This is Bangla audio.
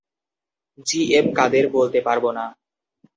জি এম কাদের বলতে পারব না।